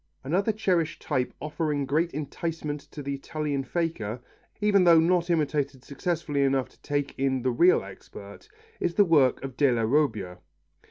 Another cherished type offering great enticement to the Italian faker, even though not imitated successfully enough to take in the real expert, is the work of Della Robbia.